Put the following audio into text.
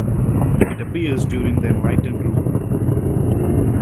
It appears during the enlightened rule.